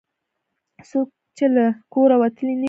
څوک چې له کوره وتلي نه وي.